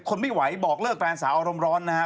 ทนไม่ไหวบอกเลิกแฟนสาวอารมณ์ร้อนนะฮะ